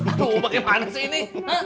aduh pake panas ini